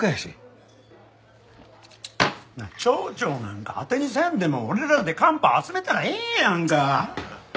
町長なんか当てにせんでも俺らでカンパ集めたらええやんか！